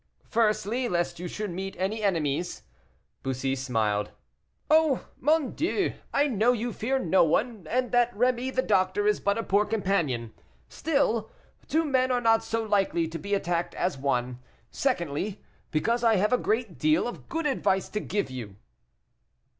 "Firstly, lest you should meet any enemies." Bussy smiled. "Oh! mon Dieu, I know you fear no one, and that Rémy the doctor is but a poor companion; still, two men are not so likely to be attacked as one. Secondly, because I have a great deal of good advice to give you."